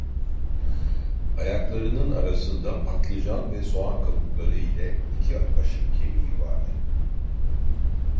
Ayaklarının arasında patlıcan ve soğan kabukları ile iki aşık kemiği vardı.